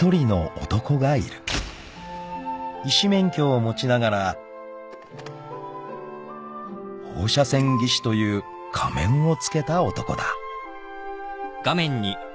［医師免許を持ちながら放射線技師という仮面をつけた男だ］